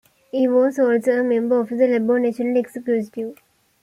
He was also a member of the Labor National Executive.